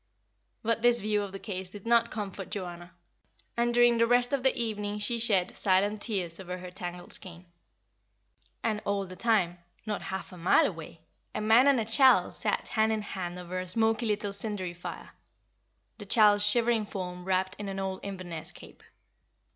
But this view of the case did not comfort Joanna, and during the rest of the evening she shed silent tears over her tangled skein. And all the time, not half a mile away, a man and a child sat hand in hand over a smoky little cindery fire; the child's shivering form wrapped in an old Inverness cape.